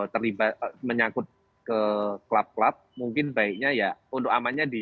terlibat menyangkut ke klub klub mungkin baiknya ya untuk amannya di